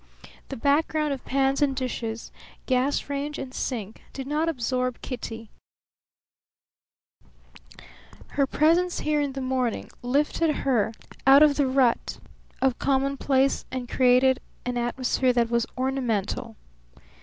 The background of pans and dishes, gas range and sink did not absorb Kitty; her presence here in the morning lifted everything out of the rut of commonplace and created an atmosphere that was ornamental.